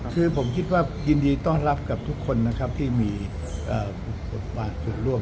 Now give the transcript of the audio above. คือผมคิดว่ายินดีต้อนรับกับทุกคนนะครับที่มีบทบาทส่วนร่วม